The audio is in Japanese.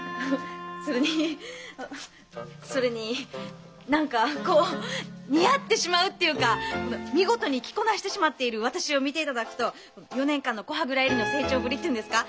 それにそれに何かこう似合ってしまうっていうか見事に着こなしてしまっている私を見て頂くと４年間の古波蔵恵里の成長ぶりっていうんですか。